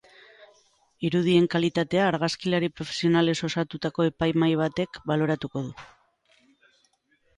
Irudien kalitatea argazkilari profesionalez osatutako epaimahai batek baloratuko du.